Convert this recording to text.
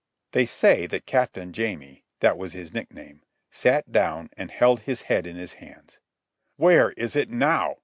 They say that Captain Jamie—that was his nickname—sat down and held his head in his hands. "Where is it now?"